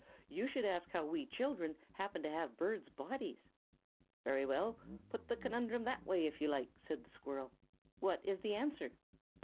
"You should ask how we children happened to have birds' bodies." "Very well; put the conundrum that way, if you like," said the squirrel. "What is the answer?"